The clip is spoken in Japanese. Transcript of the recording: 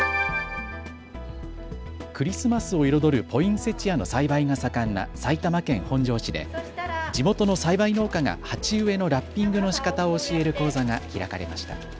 クリスマスを彩るポインセチアの栽培が盛んな埼玉県本庄市で地元の栽培農家が鉢植えのラッピングのしかたを教える講座が開かれました。